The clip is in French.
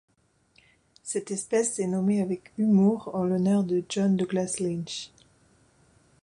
Cette espèce est nommée avec humour en l'honneur de John Douglas Lynch.